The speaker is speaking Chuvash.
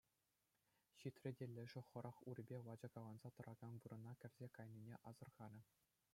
Ҫитрӗ те лешӗ хӑрах урипе лачакаланса тӑракан вырӑна кӗрсе кайнине асӑрхарӗ.